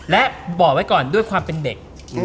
และบอกไว้ก่อนด้วยความเป็นเด็ก